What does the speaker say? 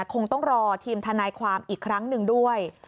คงต้องรอทีมทนายความอีกครั้งหนึ่งด้วย